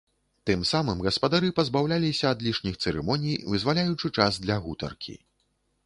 Тым самым гаспадары пазбаўляліся ад лішніх цырымоній, вызваляючы час для гутаркі.